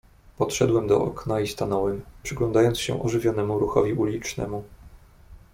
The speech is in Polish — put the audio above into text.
"Podszedłem do okna i stanąłem, przyglądając się ożywionemu ruchowi ulicznemu."